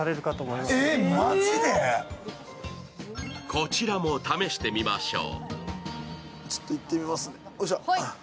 こちらも試してみましょう。